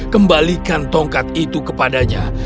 kembalikan tongkat itu kepadanya